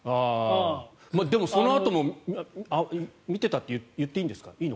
でもそのあとも見てたって言っていいんですか？